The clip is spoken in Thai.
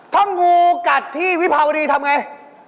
ถ้างูกัดที่วิภาวดีทำไง